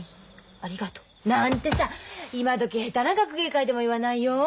ありがとう」なんてさ今どき下手な学芸会でも言わないよ。